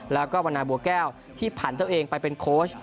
แล้วก็วันนาบัวแก้วที่ผ่านตัวเองไปเป็นโค้ช